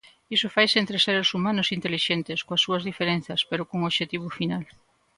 Iso faise entre seres humanos intelixentes, coas súas diferenzas, pero cun obxectivo final.